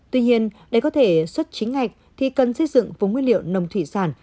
tuy nhiên để có thể xuất chính ngạch thì cần xây dựng vùng nguyên liệu nông thủy sản